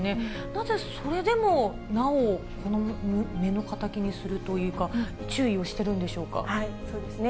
なぜそれでもなお目の敵にするというか、注意をしてるんでしょうそうですね。